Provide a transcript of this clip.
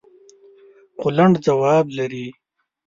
خو لنډ ځواب لري.